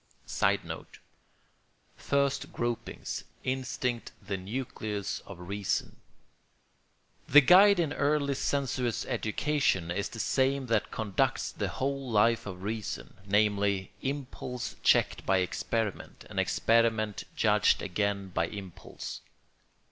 [Sidenote: First gropings. Instinct the nucleus of reason.] The guide in early sensuous education is the same that conducts the whole Life of Reason, namely, impulse checked by experiment, and experiment judged again by impulse.